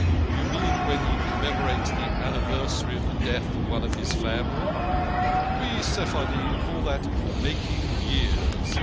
" Do you mean when he commemorates the anniversary of the death of one of his family? We Sephardim call that ' making years